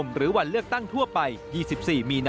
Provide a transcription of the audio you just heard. หรือวันเลือกตั้งทั่วไป๒๔มีนา